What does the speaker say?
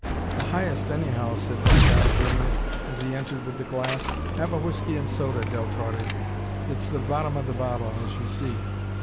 "The highest, anyhow," said Argyle grimly, as he entered with the glass. "Have a whiskey and soda, Del Torre. It's the bottom of the bottle, as you see."